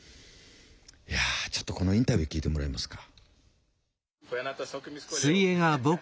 いやちょっとこのインタビュー聞いてもらえますか？